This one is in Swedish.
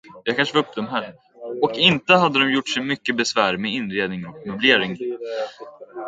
Och inte hade de gjort sig mycket besvär med inredning och möblering.